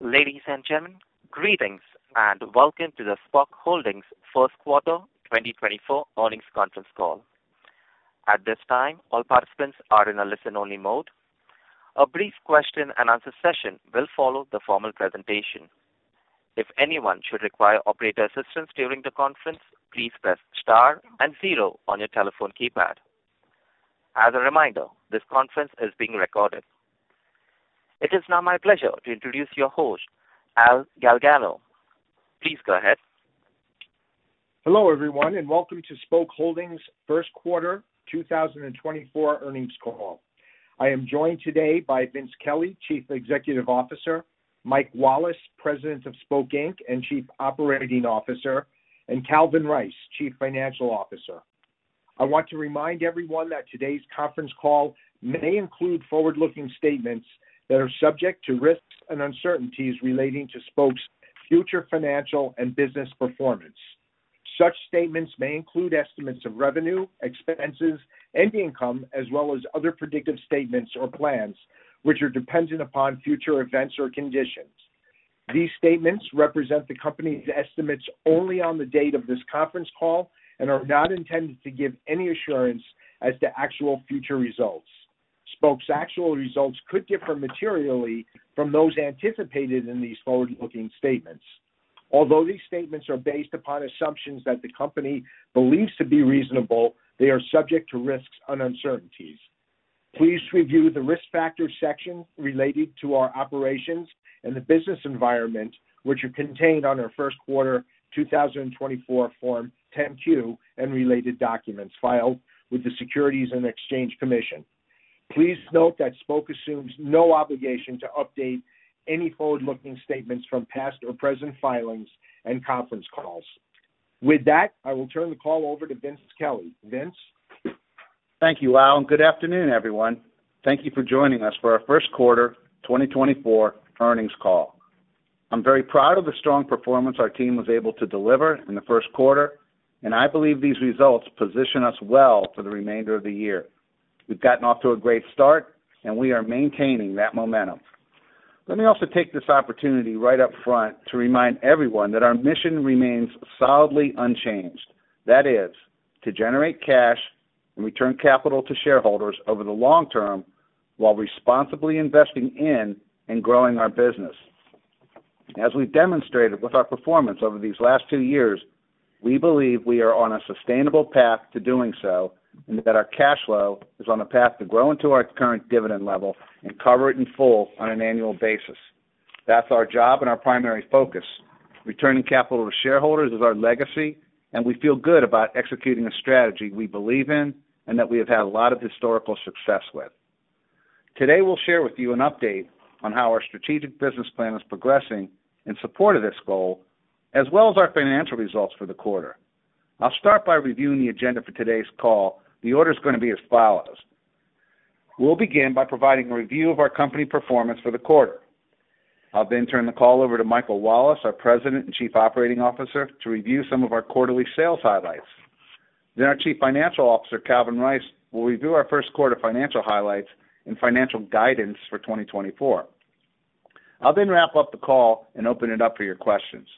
Ladies and gentlemen, greetings and welcome to the Spok Holdings First Quarter 2024 Earnings Conference Call. At this time, all participants are in a listen-only mode. A brief question-and-answer session will follow the formal presentation. If anyone should require operator assistance during the conference, please press star and zero on your telephone keypad. As a reminder, this conference is being recorded. It is now my pleasure to introduce your host, Al Galgano. Please go ahead. Hello everyone and welcome to Spok Holdings First Quarter 2024 Earnings Call. I am joined today by Vince Kelly, Chief Executive Officer, Mike Wallace, President of Spok, Inc and Chief Operating Officer, and Calvin Rice, Chief Financial Officer. I want to remind everyone that today's conference call may include forward-looking statements that are subject to risks and uncertainties relating to Spok's future financial and business performance. Such statements may include estimates of revenue, expenses and income as well as other predictive statements or plans which are dependent upon future events or conditions. These statements represent the company's estimates only on the date of this conference call and are not intended to give any assurance as to actual future results. Spok's actual results could differ materially from those anticipated in these forward-looking statements. Although these statements are based upon assumptions that the company believes to be reasonable, they are subject to risks and uncertainties. Please review the risk factors section related to our operations and the business environment which are contained in our first quarter 2024 Form 10-Q and related documents filed with the Securities and Exchange Commission. Please note that Spok assumes no obligation to update any forward-looking statements from past or present filings and conference calls. With that, I will turn the call over to Vince Kelly. Vince? Thank you Al and good afternoon everyone. Thank you for joining us for our first quarter 2024 earnings call. I'm very proud of the strong performance our team was able to deliver in the first quarter and I believe these results position us well for the remainder of the year. We've gotten off to a great start and we are maintaining that momentum. Let me also take this opportunity right up front to remind everyone that our mission remains solidly unchanged. That is to generate cash and return capital to shareholders over the long term while responsibly investing in and growing our business. As we've demonstrated with our performance over these last two years, we believe we are on a sustainable path to doing so and that our cash flow is on a path to grow into our current dividend level and cover it in full on an annual basis. That's our job and our primary focus. Returning capital to shareholders is our legacy and we feel good about executing a strategy we believe in and that we have had a lot of historical success with. Today we'll share with you an update on how our strategic business plan is progressing in support of this goal as well as our financial results for the quarter. I'll start by reviewing the agenda for today's call. The order's going to be as follows. We'll begin by providing a review of our company performance for the quarter. I'll then turn the call over to Michael Wallace, our President and Chief Operating Officer, to review some of our quarterly sales highlights. Then our Chief Financial Officer Calvin Rice will review our first-quarter financial highlights and financial guidance for 2024. I'll then wrap up the call and open it up for your questions.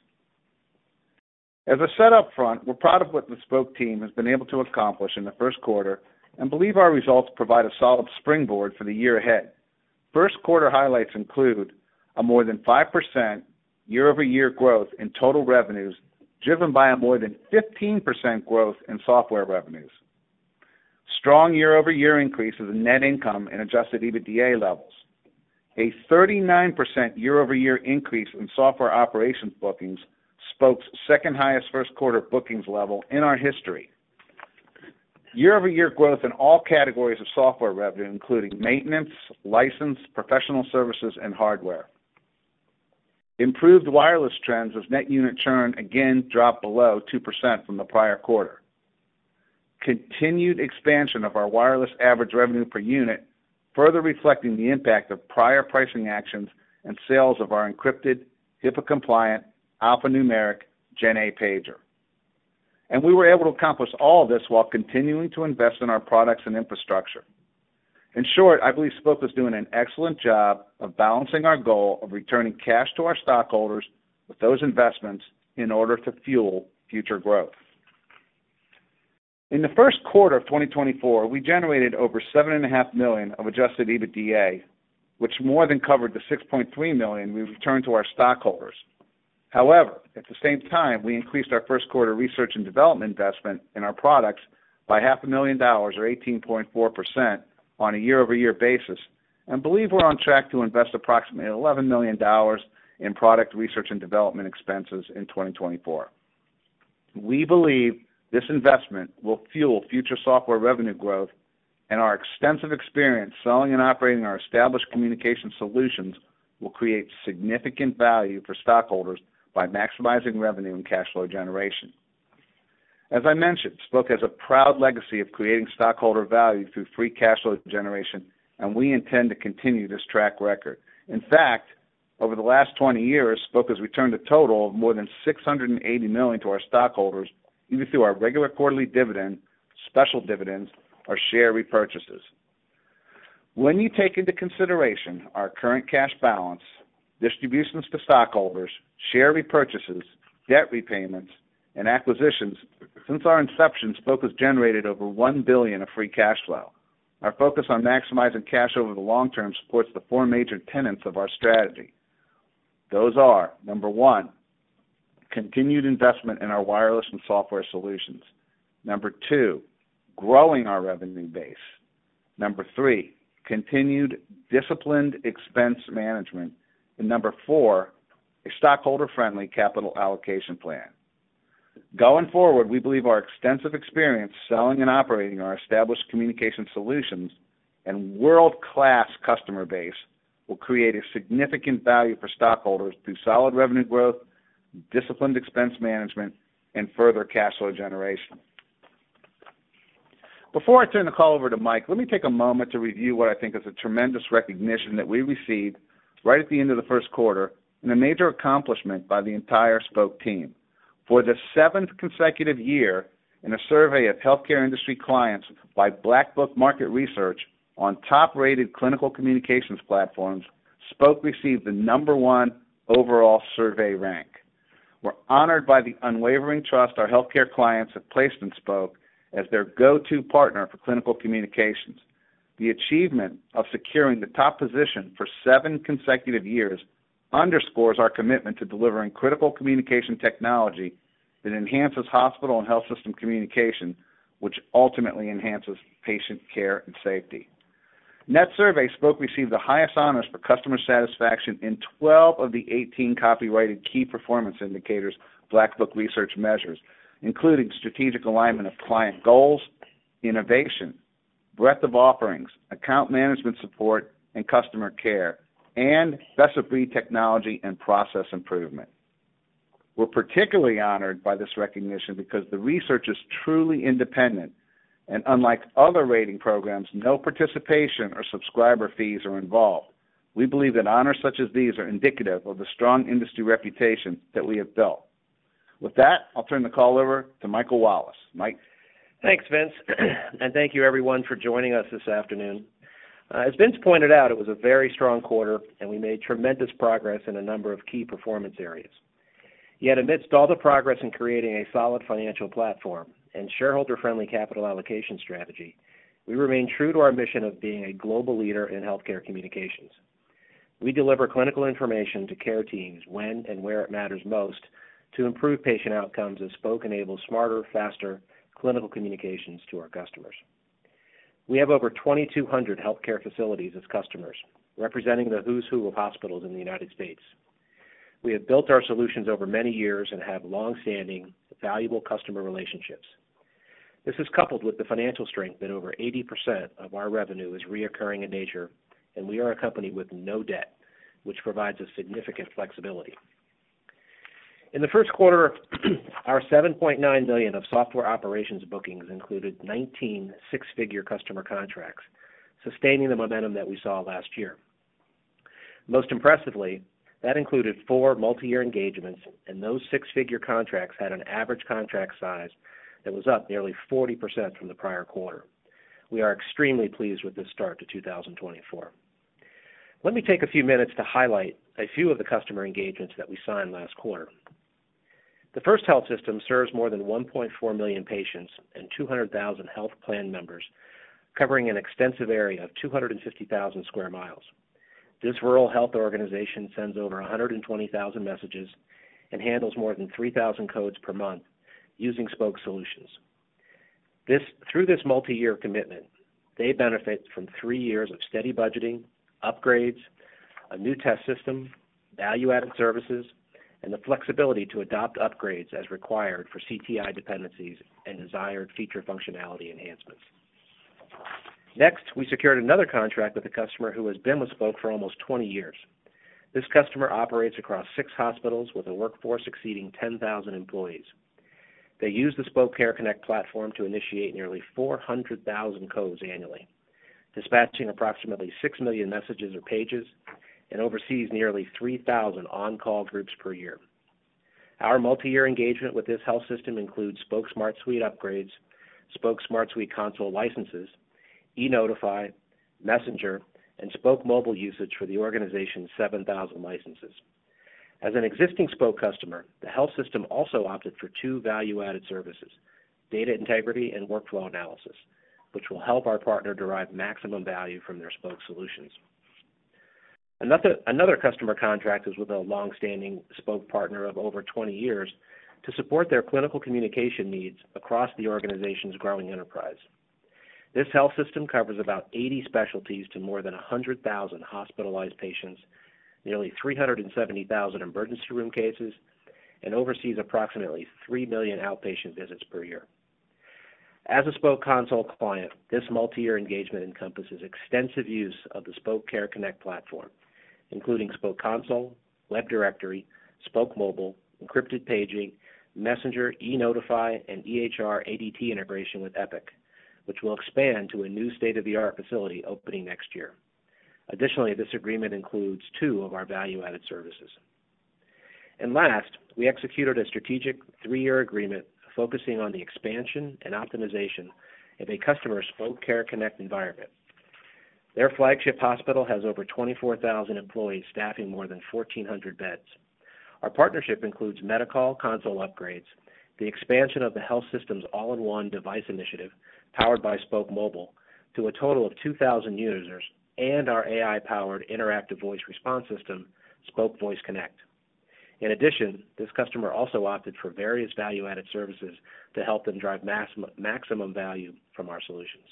As a set up front we're proud of what the Spok team has been able to accomplish in the first quarter and believe our results provide a solid springboard for the year ahead. First quarter highlights include a more than 5% year-over-year growth in total revenues driven by a more than 15% growth in software revenues. Strong year-over-year increases in net income and adjusted EBITDA levels. A 39% year-over-year increase in software operations bookings, Spok's second-highest first-quarter bookings level in our history. Year-over-year growth in all categories of software revenue including maintenance, license, professional services, and hardware. Improved wireless trends as net unit churn again dropped below 2% from the prior quarter. Continued expansion of our wireless average revenue per unit further reflecting the impact of prior pricing actions and sales of our encrypted HIPAA-compliant alphanumeric GenA pager. And we were able to accomplish all this while continuing to invest in our products and infrastructure. In short I believe Spok is doing an excellent job of balancing our goal of returning cash to our stockholders with those investments in order to fuel future growth. In the first quarter of 2024 we generated over $7.5 million of adjusted EBITDA which more than covered the $6.3 million we returned to our stockholders. However, at the same time, we increased our first quarter research and development investment in our products by $500,000 or 18.4% on a year-over-year basis and believe we're on track to invest approximately $11 million in product research and development expenses in 2024. We believe this investment will fuel future software revenue growth and our extensive experience selling and operating our established communication solutions will create significant value for stockholders by maximizing revenue and cash flow generation. As I mentioned, Spok has a proud legacy of creating stockholder value through free cash flow generation and we intend to continue this track record. In fact, over the last 20 years, Spok has returned a total of more than $680 million to our stockholders even through our regular quarterly dividend, special dividends, or share repurchases. When you take into consideration our current cash balance, distributions to stockholders, share repurchases, debt repayments, and acquisitions since our inception, Spok has generated over $1 billion of free cash flow. Our focus on maximizing cash over the long term supports the four major tenets of our strategy. Those are number 1, continued investment in our wireless and software solutions. Number 2, growing our revenue base. Number 3, continued disciplined expense management. And number 4, a stockholder-friendly capital allocation plan. Going forward, we believe our extensive experience selling and operating our established communication solutions and world-class customer base will create a significant value for stockholders through solid revenue growth, disciplined expense management, and further cash flow generation. Before I turn the call over to Mike, let me take a moment to review what I think is a tremendous recognition that we received right at the end of the first quarter and a major accomplishment by the entire Spok team. For the seventh consecutive year in a survey of healthcare industry clients by Black Book Market Research on top-rated clinical communications platforms, Spok received the number 1 overall survey rank. We're honored by the unwavering trust our healthcare clients have placed in Spok as their go-to partner for clinical communications. The achievement of securing the top position for seven consecutive years underscores our commitment to delivering critical communication technology that enhances hospital and health system communication, which ultimately enhances patient care and safety. The survey, Spok received the highest honors for customer satisfaction in 12 of the 18 copyrighted key performance indicators Black Book Research measures, including strategic alignment of client goals, innovation, breadth of offerings, account management support and customer care, and best of breed technology and process improvement. We're particularly honored by this recognition because the research is truly independent and unlike other rating programs, no participation or subscriber fees are involved. We believe that honors such as these are indicative of the strong industry reputation that we have built. With that, I'll turn the call over to Michael Wallace. Mike. Thanks, Vince and thank you everyone for joining us this afternoon. As Vince pointed out it was a very strong quarter and we made tremendous progress in a number of key performance areas. Yet amidst all the progress in creating a solid financial platform and shareholder-friendly capital allocation strategy we remain true to our mission of being a global leader in healthcare communications. We deliver clinical information to care teams when and where it matters most to improve patient outcomes as Spok enables smarter faster clinical communications to our customers. We have over 2,,200 healthcare facilities as customers representing the who's who of hospitals in the United States. We have built our solutions over many years and have long-standing, valuable customer relationships. This is coupled with the financial strength that over 80% of our revenue is recurring in nature, and we are a company with no debt, which provides us significant flexibility. In the first quarter, our $7.9 million of software operations bookings included 19 six-figure customer contracts, sustaining the momentum that we saw last year. Most impressively, that included 4 multi-year engagements, and those six-figure contracts had an average contract size that was up nearly 40% from the prior quarter. We are extremely pleased with this start to 2024. Let me take a few minutes to highlight a few of the customer engagements that we signed last quarter. The first health system serves more than 1.4 million patients and 200,000 health plan members, covering an extensive area of 250,000 sq mi. This rural health organization sends over 120,000 messages and handles more than 3,000 codes per month using Spok solutions. Through this multi-year commitment, they benefit from three years of steady budgeting upgrades, a new test system, value-added services, and the flexibility to adopt upgrades as required for CTI dependencies and desired feature functionality enhancements. Next, we secured another contract with a customer who has been with Spok for almost 20 years. This customer operates across six hospitals with a workforce exceeding 10,000 employees. They use the Spok Care Connect platform to initiate nearly 400,000 codes annually dispatching approximately 6 million messages or pages and oversees nearly 3,000 on-call groups per year. Our multi-year engagement with this health system includes Spok Smart Suite upgrades, Spok Smart Suite console licenses, e.Notify, Messenger, and Spok Mobile usage for the organization's 7,000 licenses. As an existing Spok customer, the health system also opted for two value-added services: data integrity and workflow analysis, which will help our partner derive maximum value from their Spok solutions. Another customer contract is with a long-standing Spok partner of over 20 years to support their clinical communication needs across the organization's growing enterprise. This health system covers about 80 specialties to more than 100,000 hospitalized patients, nearly 370,000 emergency room cases, and oversees approximately 3 million outpatient visits per year. As a Spok Console client, this multi-year engagement encompasses extensive use of the Spok Care Connect platform, including Spok Web Directory, Spok Mobile, encrypted paging, Spok Messenger, Spok e.Notify, and EHR ADT integration with Epic, which will expand to a new state-of-the-art facility opening next year. Additionally, this agreement includes two of our value-added services. Last we executed a strategic three-year agreement focusing on the expansion and optimization of a customer's Spok Care Connect environment. Their flagship hospital has over 24,000 employees staffing more than 1,400 beds. Our partnership includes Medi-Call console upgrades, the expansion of the health system's all-in-one device initiative powered by Spok Mobile to a total of 2,000 users, and our AI-powered interactive voice response system Spok Voice Connect. In addition, this customer also opted for various value-added services to help them drive maximum value from our solutions.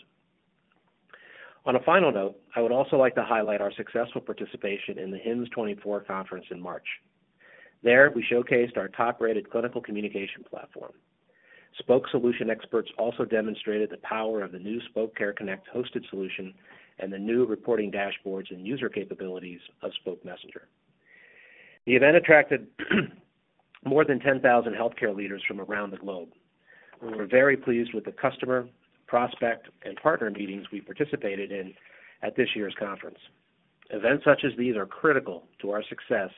On a final note, I would also like to highlight our successful participation in the HIMSS 2024 conference in March. There we showcased our top-rated clinical communication platform. Spok solution experts also demonstrated the power of the new Spok Care Connect hosted solution and the new reporting dashboards and user capabilities of Spok Messenger. The event attracted more than 10,000 healthcare leaders from around the globe. We were very pleased with the customer prospect and partner meetings we participated in at this year's conference. Events such as these are critical to our success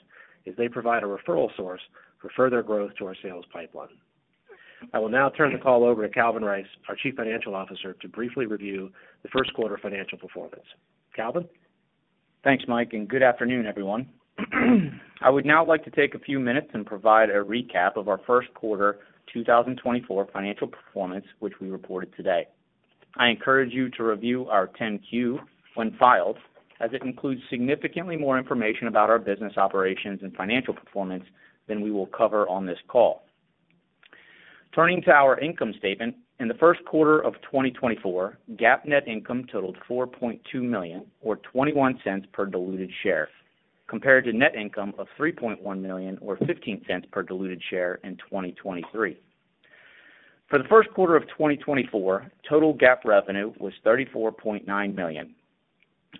as they provide a referral source for further growth to our sales pipeline. I will now turn the call over to Calvin Rice, our Chief Financial Officer, to briefly review the first quarter financial performance. Calvin. Thanks, Mike and good afternoon everyone. I would now like to take a few minutes and provide a recap of our first quarter 2024 financial performance which we reported today. I encourage you to review our 10-Q when filed as it includes significantly more information about our business operations and financial performance than we will cover on this call. Turning to our income statement in the first quarter of 2024 GAAP net income totaled $4.2 million or $0.21 per diluted share compared to net income of $3.1 million or $0.15 per diluted share in 2023. For the first quarter of 2024 total GAAP revenue was $34.9 million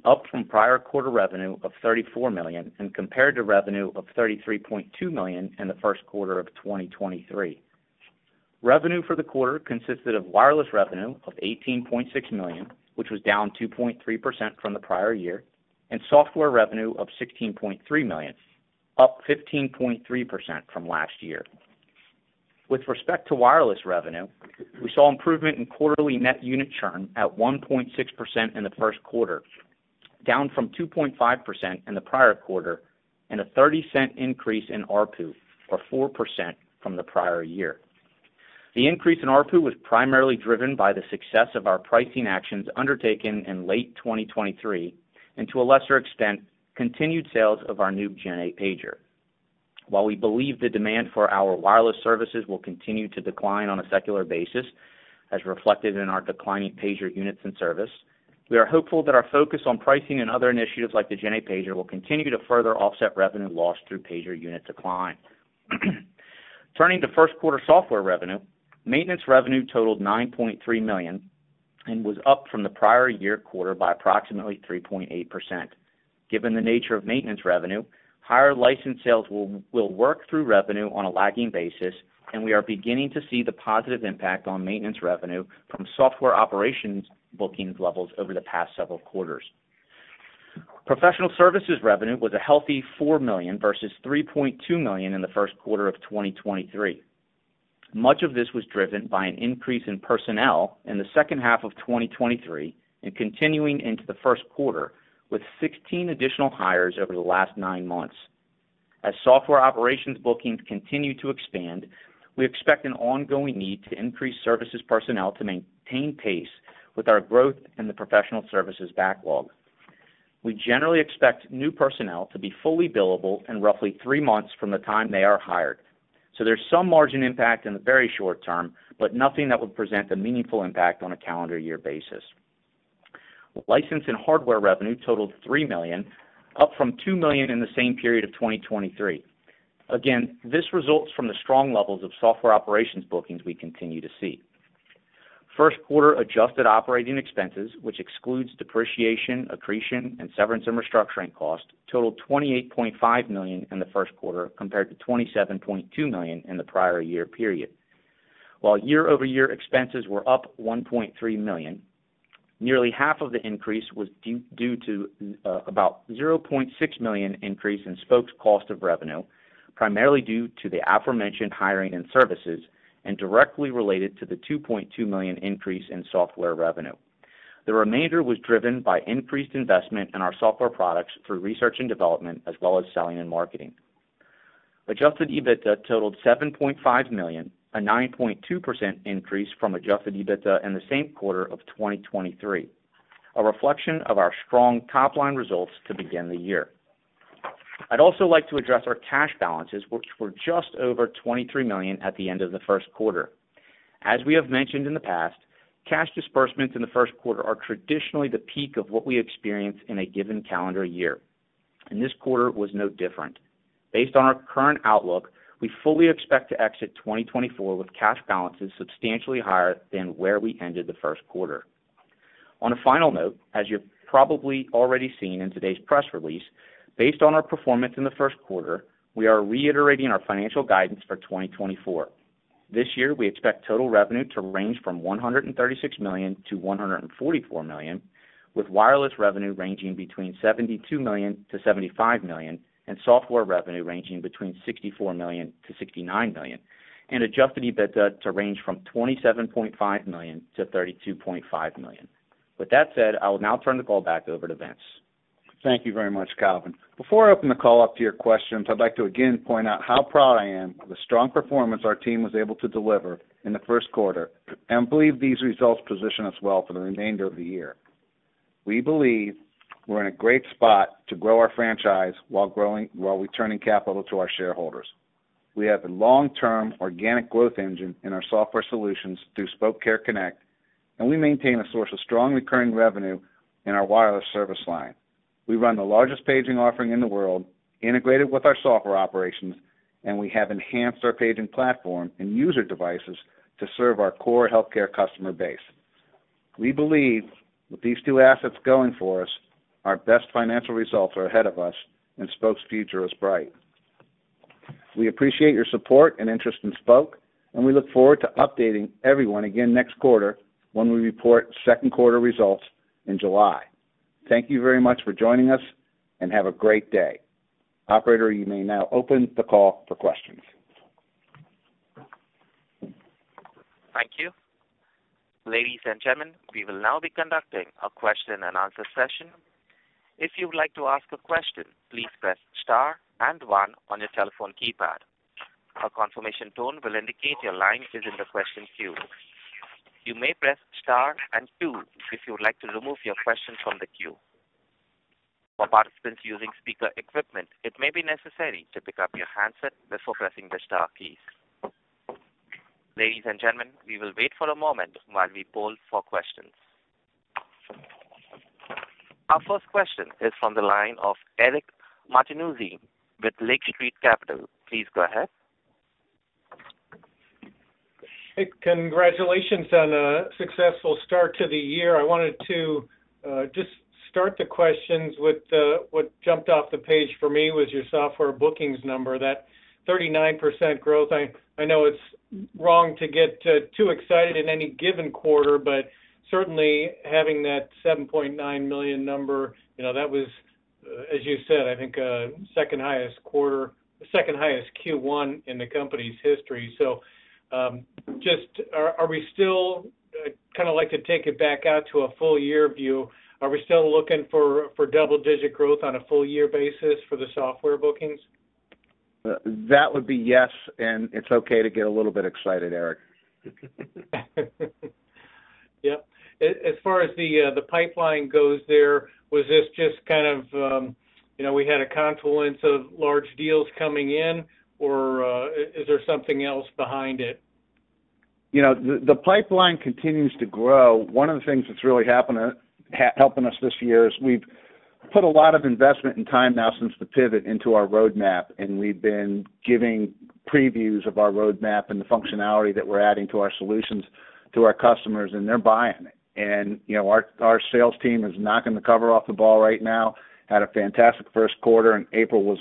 up from prior quarter revenue of $34 million and compared to revenue of $33.2 million in the first quarter of 2023. Revenue for the quarter consisted of wireless revenue of $18.6 million which was down 2.3% from the prior year and software revenue of $16.3 million up 15.3% from last year. With respect to wireless revenue we saw improvement in quarterly net unit churn at 1.6% in the first quarter down from 2.5% in the prior quarter and a $0.30 increase in RPU or 4% from the prior year. The increase in RPU was primarily driven by the success of our pricing actions undertaken in late 2023 and to a lesser extent continued sales of our new GenA pager. While we believe the demand for our wireless services will continue to decline on a secular basis as reflected in our declining pager units and services, we are hopeful that our focus on pricing and other initiatives like the GenA pager will continue to further offset revenue loss through pager unit decline. Turning to first-quarter software revenue, maintenance revenue totaled $9.3 million and was up from the prior-year quarter by approximately 3.8%. Given the nature of maintenance revenue, higher license sales will work through revenue on a lagging basis and we are beginning to see the positive impact on maintenance revenue from software operations bookings levels over the past several quarters. Professional services revenue was a healthy $4 million versus $3.2 million in the first quarter of 2023. Much of this was driven by an increase in personnel in the second half of 2023 and continuing into the first quarter with 16 additional hires over the last nine months. As software operations bookings continue to expand we expect an ongoing need to increase services personnel to maintain pace with our growth and the professional services backlog. We generally expect new personnel to be fully billable in roughly three months from the time they are hired. So there's some margin impact in the very short term but nothing that would present a meaningful impact on a calendar year basis. License and hardware revenue totaled $3 million up from $2 million in the same period of 2023. Again this results from the strong levels of software operations bookings we continue to see. First-quarter adjusted operating expenses which excludes depreciation accretion and severance and restructuring cost totaled $28.5 million in the first quarter compared to $27.2 million in the prior year period. While year-over-year expenses were up $1.3 million nearly half of the increase was due to the about $0.6 million increase in Spok's cost of revenue primarily due to the aforementioned hiring and services and directly related to the $2.2 million increase in software revenue. The remainder was driven by increased investment in our software products through research and development as well as selling and marketing. Adjusted EBITDA totaled $7.5 million a 9.2% increase from adjusted EBITDA in the same quarter of 2023 a reflection of our strong top-line results to begin the year. I'd also like to address our cash balances which were just over $23 million at the end of the first quarter. As we have mentioned in the past, cash disbursements in the first quarter are traditionally the peak of what we experience in a given calendar year and this quarter was no different. Based on our current outlook, we fully expect to exit 2024 with cash balances substantially higher than where we ended the first quarter. On a final note, as you've probably already seen in today's press release, based on our performance in the first quarter we are reiterating our financial guidance for 2024. This year we expect total revenue to range from $136 million-$144 million with wireless revenue ranging between $72 million-$75 million and software revenue ranging between $64 million-$69 million and adjusted EBITDA to range from $27.5 million-$32.5 million. With that said I will now turn the call back over to Vince. Thank you very much Calvin. Before I open the call up to your questions I'd like to again point out how proud I am of the strong performance our team was able to deliver in the first quarter and believe these results position us well for the remainder of the year. We believe we're in a great spot to grow our franchise while growing while returning capital to our shareholders. We have a long-term organic growth engine in our software solutions through Spok Care Connect and we maintain a source of strong recurring revenue in our wireless service line. We run the largest paging offering in the world integrated with our software operations and we have enhanced our paging platform and user devices to serve our core healthcare customer base. We believe with these two assets going for us, our best financial results are ahead of us, and Spok's future is bright. We appreciate your support and interest in Spok, and we look forward to updating everyone again next quarter when we report second-quarter results in July. Thank you very much for joining us, and have a great day. Operator, you may now open the call for questions. Thank you. Ladies and gentlemen, we will now be conducting a question-and-answer session. If you would like to ask a question, please press star and one on your telephone keypad. A confirmation tone will indicate your line is in the question queue. You may press star and two if you would like to remove your question from the queue. For participants using speaker equipment, it may be necessary to pick up your handset before pressing the star keys. Ladies and gentlemen, we will wait for a moment while we poll for questions. Our first question is from the line of Eric Martinuzzi with Lake Street Capital Markets. Please go ahead. Hey, congratulations on a successful start to the year. I wanted to just start the questions with what jumped off the page for me was your software bookings number, that 39% growth. I know it's wrong to get too excited in any given quarter, but certainly having that $7.9 million number that was, as you said, I think second-highest quarter, second-highest Q1 in the company's history. So just, are we still—I'd kind of like to take it back out to a full-year view. Are we still looking for for double-digit growth on a full-year basis for the software bookings? That would be yes, and it's okay to get a little bit excited, Eric. Yep. As far as the pipeline goes there was this just kind of we had a confluence of large deals coming in or is there something else behind it? The pipeline continues to grow. One of the things that's really happening helping us this year is we've put a lot of investment and time now since the pivot into our roadmap and we've been giving previews of our roadmap and the functionality that we're adding to our solutions to our customers and they're buying it. And our sales team is knocking the cover off the ball right now. Had a fantastic first quarter and April was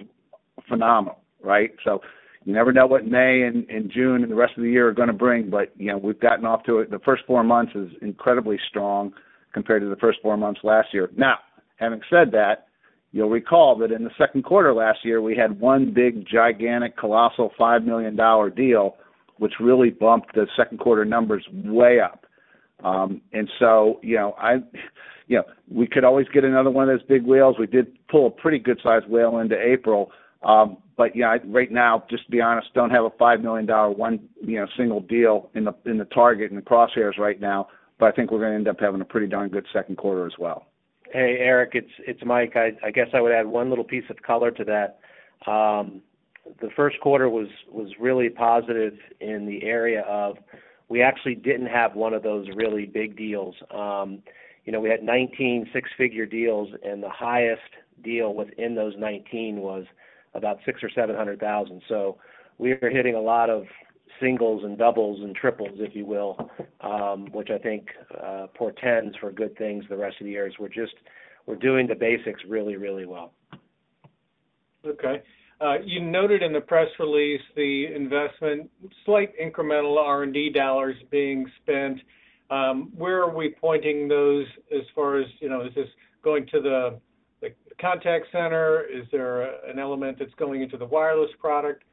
phenomenal, right? So you never know what May and June and the rest of the year are going to bring but we've gotten off to it the first four months is incredibly strong compared to the first four months last year. Now having said that you'll recall that in the second quarter last year we had one big gigantic colossal $5 million deal which really bumped the second quarter numbers way up. And so we could always get another one of those big whales. We did pull a pretty good-sized whale into April but right now just to be honest don't have a $5 million one single deal in the target and the crosshairs right now but I think we're going to end up having a pretty darn good second quarter as well. Hey, Eric, it's Mike. I guess I would add one little piece of color to that. The first quarter was really positive in the area of we actually didn't have one of those really big deals. We had 19 six-figure deals and the highest deal within those 19 was about $600,000-$700,000. So we were hitting a lot of singles and doubles and triples if you will which I think portends for good things the rest of the year as we're just we're doing the basics really really well. Okay. You noted in the press release the investment slight incremental R&D dollars being spent. Where are we pointing those as far as is this going to the contact center? Is there an element that's going into the wireless product?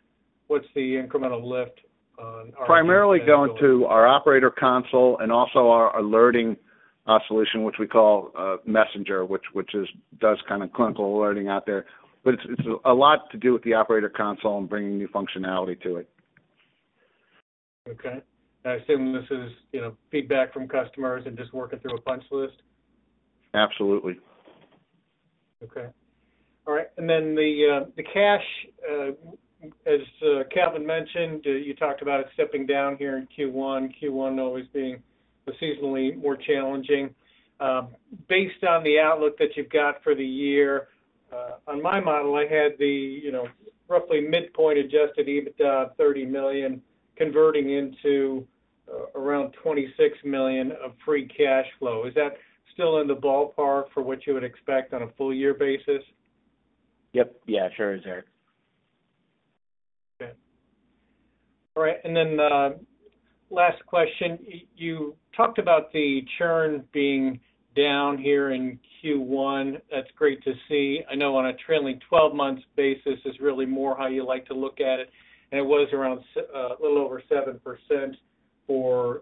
What's the incremental lift on our. Primarily going to our operator console and also our alerting solution which we call Messenger which does kind of clinical alerting out there but it's a lot to do with the operator console and bringing new functionality to it. Okay. Assuming this is feedback from customers and just working through a punch list? Absolutely. Okay. All right. And then the cash, as Calvin mentioned, you talked about it stepping down here in Q1. Q1 always being seasonally more challenging. Based on the outlook that you've got for the year, on my model I had the roughly midpoint Adjusted EBITDA of $30 million converting into around $26 million of free cash flow. Is that still in the ballpark for what you would expect on a full year basis? Yep. Yeah sure is Eric. Okay. All right. And then last question. You talked about the churn being down here in Q1. That's great to see. I know on a trailing twelve months basis is really more how you like to look at it and it was around a little over 7% for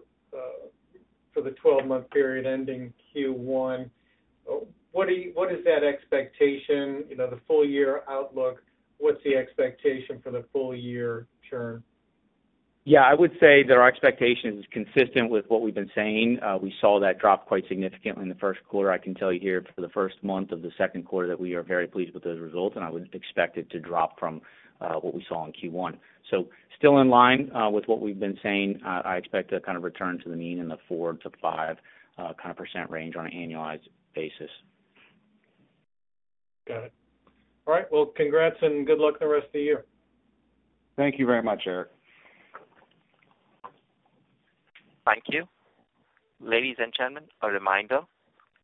the twelve-month period ending Q1. What is that expectation? The full-year outlook? What's the expectation for the full-year churn? Yeah, I would say that our expectation is consistent with what we've been saying. We saw that drop quite significantly in the first quarter. I can tell you here for the first month of the second quarter that we are very pleased with those results, and I wouldn't expect it to drop from what we saw in Q1. Still in line with what we've been saying, I expect to kind of return to the mean in the 4%-5% range on an annualized basis. Got it. All right. Well, congrats and good luck in the rest of the year. Thank you very much, Eric. Thank you. Ladies and gentlemen, a reminder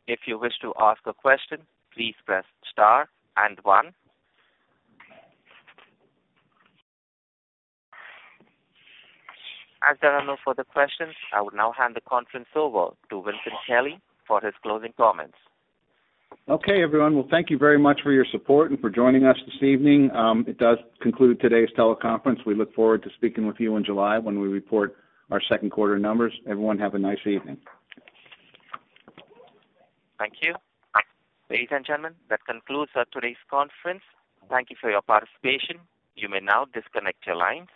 if you wish to ask a question please press star and one. As there are no further questions, I will now hand the conference over to Vincent Kelly for his closing comments. Okay everyone. Well thank you very much for your support and for joining us this evening. It does conclude today's teleconference. We look forward to speaking with you in July when we report our second quarter numbers. Everyone have a nice evening. Thank you. Ladies and gentlemen that concludes today's conference. Thank you for your participation. You may now disconnect your lines.